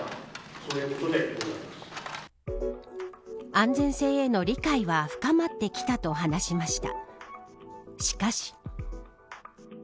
安全性への理解は深まってきたと話しました。